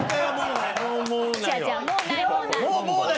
もうない、もうない。